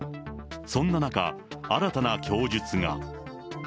そんな中、新たな供述が。